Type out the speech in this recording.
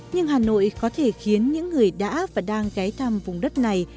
nhưng hà nội có thể khiến những người đã và đang ghé thăm vùng đất này